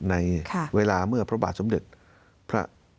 ในเวลาเมื่อพระบาทสมเด็จพระ